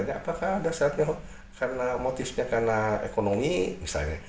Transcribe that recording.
apakah ada saatnya karena motifnya karena ekonomi misalnya